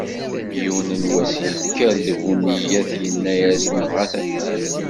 Yiwen n wass yekker-d bu nniyat, yenna-as nebγa tafat.